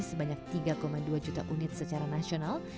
sebanyak tiga dua juta unit secara nasional